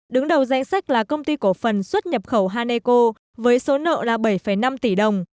đứng đầu danh sách là công ty cổ phần xuất nhập khẩu haneco với số nợ là bảy năm tỷ đồng